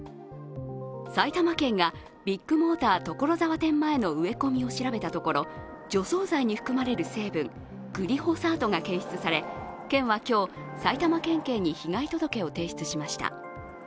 埼玉県がビッグモーター所沢店前の植え込みを調べたところ、除草剤に含まれる成分、グリホサートが検出され県は今日、埼玉県警に被害届を提出しました。